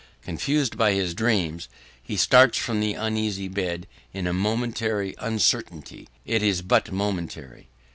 Confused by his dreams, he starts from his uneasy bed in momentary uncertainty. It is but momentary.